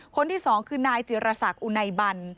คนที่สองคือนายจิรษักอุไนบัน